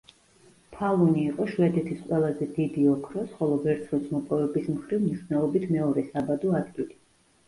ფალუნი იყო შვედეთის ყველაზე დიდი ოქროს, ხოლო ვერცხლის მოპოვების მხრივ, მნიშვნელობით მეორე საბადო ადგილი.